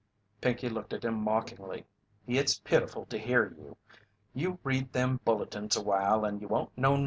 Pinkey looked at him mockingly. "It's pitiful to hear you. You read them bulletins awhile and you won't know nothin'.